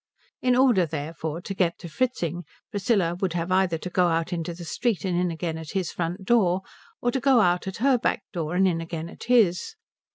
In order therefore to get to Fritzing Priscilla would have either to go out into the street and in again at his front door, or go out at her back door and in again at his.